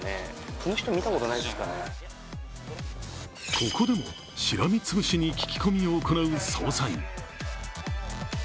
ここでも、しらみつぶしに聞き込みを行う捜査員。